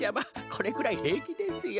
これくらいへいきですよ。